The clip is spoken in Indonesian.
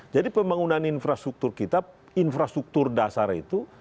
jadi pembangunan infrastruktur kita infrastruktur dasar itu